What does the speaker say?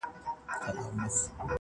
فقط علم او هنر دی چي همېش به جاویدان وي.